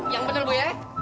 yang bener bu ya